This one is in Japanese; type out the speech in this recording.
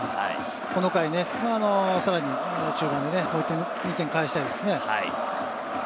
この回、さらにもう１点、２点返したいですね。